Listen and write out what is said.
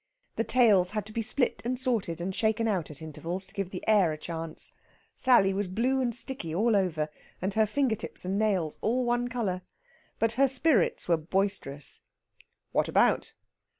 The tails had to be split and sorted and shaken out at intervals to give the air a chance. Sally was blue and sticky all over, and her finger tips and nails all one colour. But her spirits were boisterous. "What about?"